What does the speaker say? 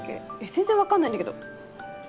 全然分かんないんだけど。